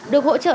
được hỗ trợ